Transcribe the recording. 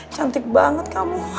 cantik banget kamu